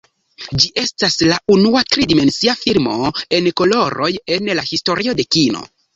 Ĝi estas la unua tri-dimensia filmo en koloroj en la historio de kino.